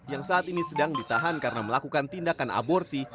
yang saat ini sedang ditahan karena melakukan tindakan aborsi